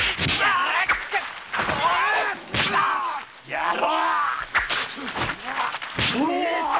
野郎！